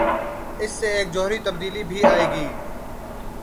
اس سے ایک جوہری تبدیلی بھی آئے گی۔